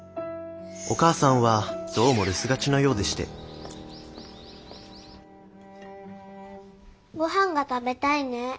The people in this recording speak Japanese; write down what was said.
お母さんはどうも留守がちのようでしてごはんが食べたいね。